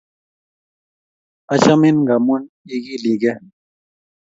Achamin ngamun iki lee kee